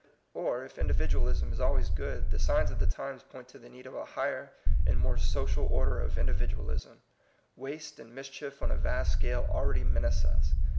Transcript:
Or, if individualism is always good, the signs of the times point to the need of a higher and more social order of individual ism. Waste and mischief on a vast scale already menace us.